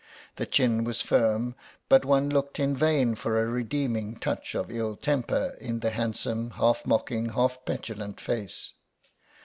The chin was firm, but one looked in vain for a redeeming touch of ill temper in the handsome, half mocking, half petulant face.